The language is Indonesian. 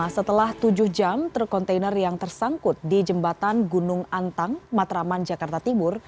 setelah tujuh jam truk kontainer yang tersangkut di jembatan gunung antang matraman jakarta timur